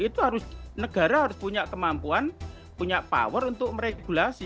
itu harus negara harus punya kemampuan punya power untuk meregulasi